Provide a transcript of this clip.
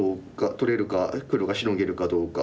取れるか黒がシノげるかどうか。